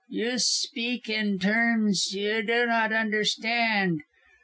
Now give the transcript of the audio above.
you speak in terms you do not understand.